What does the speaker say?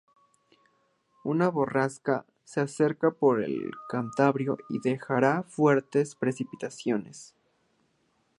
Una borrasca se acerca por el Cantábrico y dejara fuertes precipitaciones